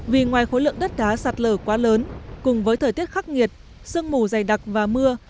vì ngoài khối lượng đất đá sạt lở quá lớn cùng với thời tiết khắc nghiệt sương mù dày đặc và mưa